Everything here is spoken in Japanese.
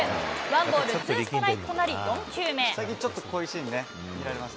ワンボールツーストライクとなり４球目。